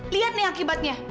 lihat nih akibatnya